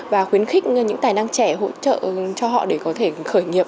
và khuyến khích những tài năng trẻ hỗ trợ cho họ để có thể khởi nghiệp